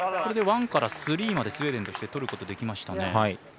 ワンからスリーまでスウェーデンとしてはとることができましたね。